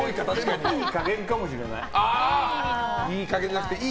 でも良い加減かもしれない。